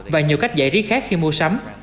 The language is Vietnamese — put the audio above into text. và nhiều cách giải trí khác khi mua sắm